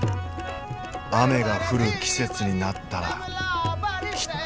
雨が降る季節になったらきっと」。